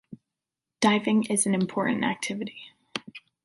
Diving is an important activity.